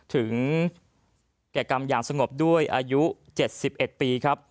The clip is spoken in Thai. ถึงแก่กรรมอย่างสงบด้วยอายุ๗๑ปีครับ